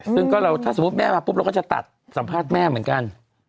ถ้าแม่มาปุ๊บเราจะตัดสัมภาษณ์แม่เหมือนกัน